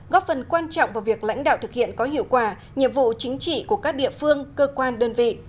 góp phần quan trọng vào việc lãnh đạo thực hiện có hiệu quả nhiệm vụ chính trị của các địa phương cơ quan đơn vị